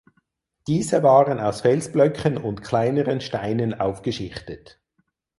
Diese waren aus Felsblöcken und kleineren Steinen aufgeschichtet.